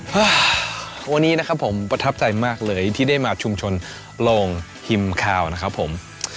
ฮะวันนี้นะครับผมประทับใจมากเลยที่ได้มาชุมชนโรงฮิมคาวนะครับผม